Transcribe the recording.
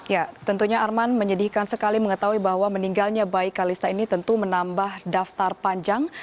ya tentunya arman menyedihkan sekali mengetahui bahwa meninggalnya bayi kalista ini tentu menambah daftar panjang